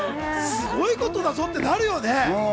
すごいことだよなってなりますよね。